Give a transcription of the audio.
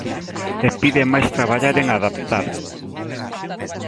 E piden máis traballar en adaptar.